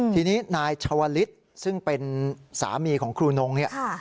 ทีนี้นายชวลิสซึ่งเป็นสามีของครูนง